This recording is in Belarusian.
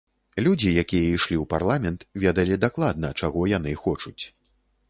Людзі, якія ішлі ў парламент, ведалі дакладна, чаго яны хочуць.